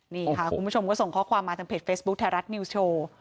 นี่ค่ะคุณผู้ชมก็ส่งข้อความมาทางเพจเฟซบุ๊คไทยรัฐนิวโชว์